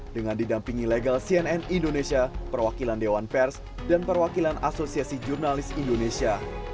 dengan didampingi legal cnn indonesia perwakilan dewan pers dan perwakilan asosiasi jurnalis indonesia